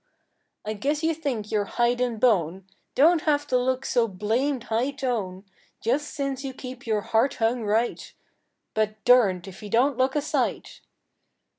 I guess you think your hide and bone Don't have to look so blamed high tone Just since you keep your heart hung right,— But durned if you don't look a sight.